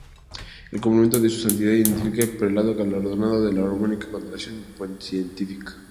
El complemento de Su Santidad identifica el prelado galardonado de la homónima Condecoración Pontificia.